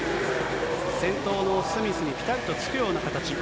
先頭のスミスにぴたりとつくような形。